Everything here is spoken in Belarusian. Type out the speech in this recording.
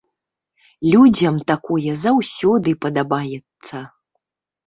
Людзям такое заўсёды падабаецца.